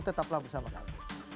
tetaplah bersama kami